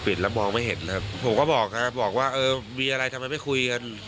แล้วมองไม่เห็นเลยครับผมก็บอกครับบอกว่าเออมีอะไรทำไมไม่คุยกัน